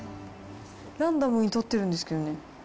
ランダムに取ってるんですけどね。